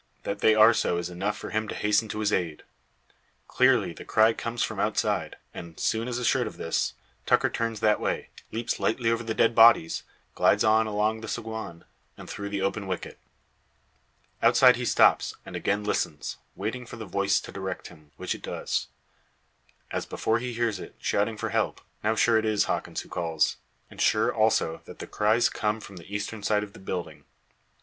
That they are so is enough for him to hasten to his aid. Clearly the cry comes from outside; and, soon as assured of this, Tucker turns that way, leaps lightly over the dead bodies, glides on along the saguan, and through the open wicket. Outside he stops, and again listens, waiting for the voice to direct him, which it does. As before he hears it, shouting for help, now sure it is Hawkins who calls. And sure, also, that the cries come from the eastern side of the building.